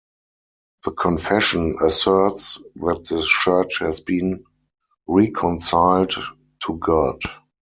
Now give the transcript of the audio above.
The confession asserts that the Church has been reconciled to God.